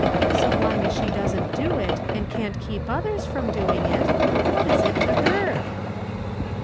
So long as she doesn't do it, and can't keep others from doing it, what is it to her